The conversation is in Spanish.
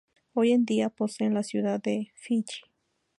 Hoy en día poseen la ciudadanía de Fiyi.